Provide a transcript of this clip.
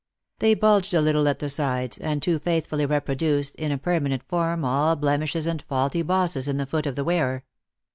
They bulged a little at the sides, and too faithfully reproduced in a» permanent form all blemishes and faulty bosses in the foot of the wearer.